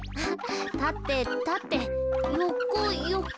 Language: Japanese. たてたてよこよこ。